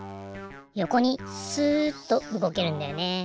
よこにすっとうごけるんだよね。